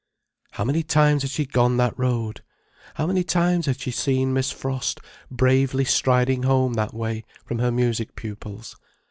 How many times had she gone that road! How many times had she seen Miss Frost bravely striding home that way, from her music pupils.